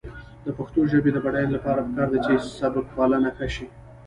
د پښتو ژبې د بډاینې لپاره پکار ده چې سبکپالنه ښه شي.